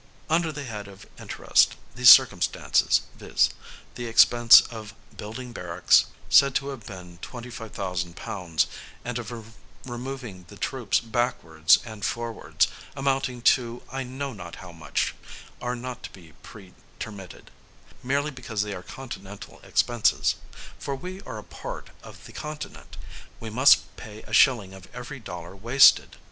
Under the head of interest, these circumstances, viz. the expense of building barracks, said to have been £25,000, and of removing the troops backwards and forwards, amounting to I know not how much, are not to be pre termitted, merely because they are Continental expenses; for we are a part of the Continent; we must pay a shilling of every dollar wasted.